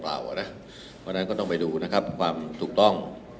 เพราะฉะนั้นก็ต้องไปดูนะครับความถูกต้อง